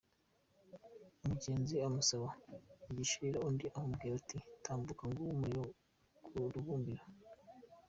Umugenzi amusaba igishirira, undi aramubwira ati "Tambuka nguwo umuriro ku rubumbiro.